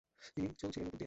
তিনি চলছিলেন উপর দিয়ে।